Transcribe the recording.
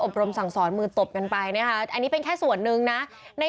รมสั่งสอนมือตบกันไปนะคะอันนี้เป็นแค่ส่วนหนึ่งนะใน